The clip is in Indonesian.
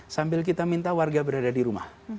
sambil kita minta warga berada di rumah